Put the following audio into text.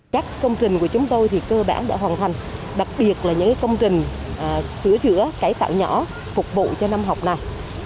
các công trình của chúng tôi cơ bản đã hoàn thành đặc biệt là những công trình sửa chữa cải tạo nhỏ phục vụ cho năm học này